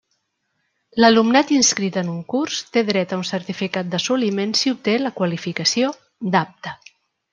L'alumnat inscrit en un curs té dret a un certificat d'assoliment si obté la qualificació d'apte.